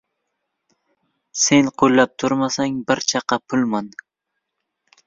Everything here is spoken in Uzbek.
Sen qo‘llab turmasang bir chaqa pulman